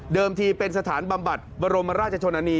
ทีเป็นสถานบำบัดบรมราชชนนานี